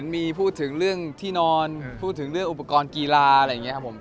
มีแล้วที่เรั่งไวไปแซะครับ